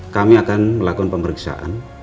kami akan melakukan pemeriksaan